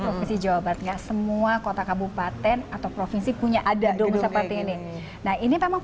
provinsi jawa barat enggak semua kota kabupaten atau provinsi punya ada dong seperti ini nah ini memang